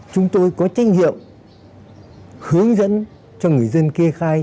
chúng tôi có trách nhiệm hướng dẫn cho người dân kê khai